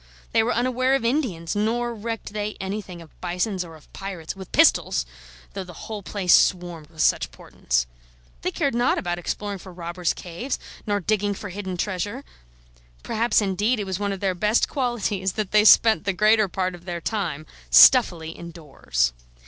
They were unaware of Indians, nor recked they anything of bisons or of pirates (with pistols!), though the whole place swarmed with such portents. They cared not about exploring for robbers' caves, nor digging for hidden treasure. Perhaps, indeed, it was one of their best qualities that they spent the greater part of their time stuffily indoors.